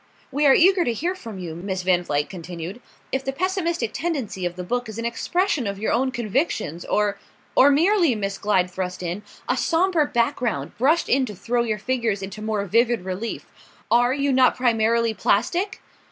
"We are eager to hear from you," Miss Van Vluyck continued, "if the pessimistic tendency of the book is an expression of your own convictions or " "Or merely," Miss Glyde thrust in, "a sombre background brushed in to throw your figures into more vivid relief. Are you not primarily plastic?"